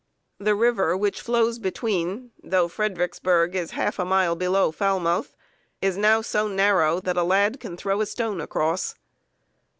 The river which flows between (though Fredericksburg is half a mile below Falmouth), is now so narrow, that a lad can throw a stone across.